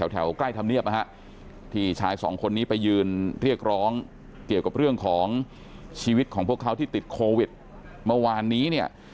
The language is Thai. แถวใกล้ธรรมเนียบนะฮะที่ชายสองคนนี้ไปยืนเรียกร้องเกี่ยวกับเรื่องของชีวิตของพวกเขาที่ติดโควิดเมื่อวานนี้เนี่ย